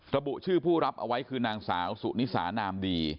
ระบุชื่อผู้รับเอาไว้คือนางสาวสุนิสานามดี